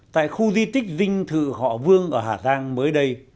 tại khu di tích vinh thự họ vương ở hà giang mới đây